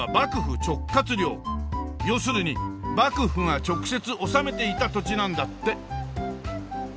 要するに幕府が直接治めていた土地なんだって。